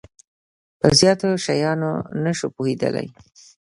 په زیاتو شیانو نه شو پوهیدای.